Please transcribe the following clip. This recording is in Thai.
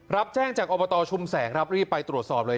รับแจ้งจากอบตชุมแสงครับรีบไปตรวจสอบเลย